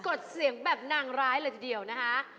ดเสียงแบบนางร้ายเลยทีเดียวนะคะ